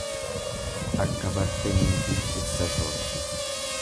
Akka barte niitiin dhirsa soorti.